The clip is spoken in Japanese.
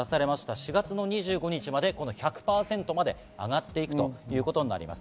４月２５日まで１００％まで上がっていくということになります。